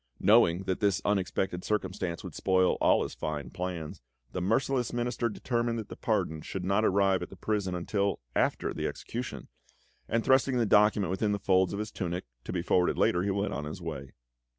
Knowing that this unexpected circumstance would spoil all his fine plans, the merciless Minister determined that the pardon should not arrive at the prison until after the execution, and thrusting the document within the folds of his tunic, to be forwarded later, he went on his way.